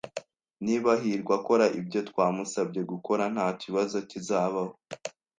Niba hirwa akora ibyo twamusabye gukora, ntakibazo kizabaho.